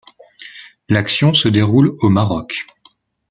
L'action se déroule au Maroc.